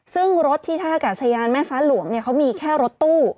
ซึ่งรถที่ท่ากาศยานแม่ฟ้าหลวงเนี่ยเขามีแค่รถตู้